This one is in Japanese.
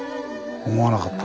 思わなかった。